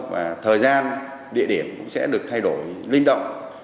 và thời gian địa điểm cũng sẽ được thay đổi linh động